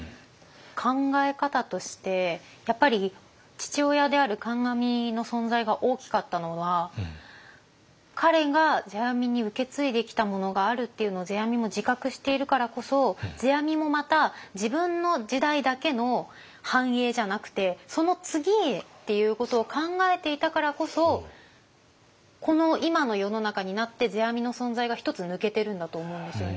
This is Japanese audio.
考え方としてやっぱり父親である観阿弥の存在が大きかったのは彼が世阿弥に受け継いできたものがあるっていうのを世阿弥も自覚しているからこそ世阿弥もまたからこそこの今の世の中になって世阿弥の存在が一つ抜けてるんだと思うんですよね。